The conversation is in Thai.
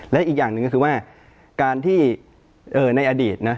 และอีกอย่างหนึ่งก็คือว่าการที่ในอดีตนะ